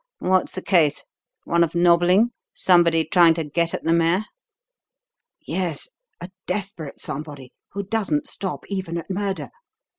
What's the case? One of 'nobbling'? Somebody trying to get at the mare?" "Yes. A desperate 'somebody,' who doesn't stop even at murder.